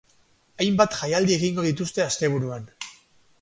Hainbat jaialdi egingo dituzte asteburuan.